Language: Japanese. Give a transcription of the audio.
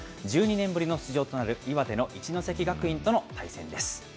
１２年ぶりの出場となる岩手の一関学院との対戦です。